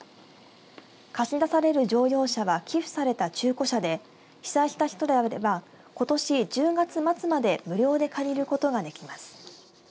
貸し出される乗用車は寄付された中古車で被災した人であればことし１０月末まで無料で借りることができます。